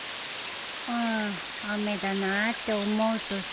うん雨だなあって思うとさ。